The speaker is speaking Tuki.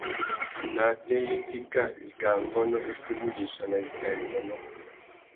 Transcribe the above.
Nātê ya itéka, wikā ngônô i fitimú uyïssana iwí wirrônô.